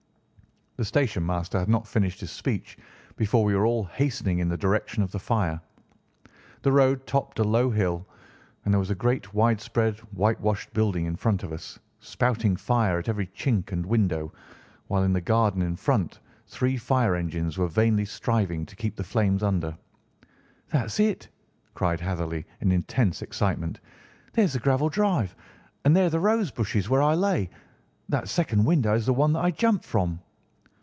The station master had not finished his speech before we were all hastening in the direction of the fire. The road topped a low hill, and there was a great widespread whitewashed building in front of us, spouting fire at every chink and window, while in the garden in front three fire engines were vainly striving to keep the flames under. "That's it!" cried Hatherley, in intense excitement. "There is the gravel drive, and there are the rose bushes where I lay. That second window is the one that I jumped from."